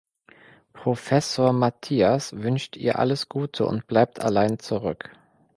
Professor Mathias wünscht ihr alles Gute und bleibt allein zurück.